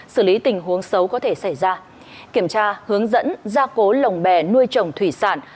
xử lý tình huống xấu có thể xảy ra kiểm tra hướng dẫn gia cố lồng bè nuôi trồng thủy sản